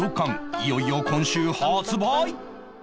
いよいよ今週発売！